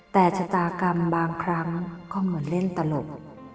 แต่ชะตากรรมบางครั้งก็เหมือนเล่นตลก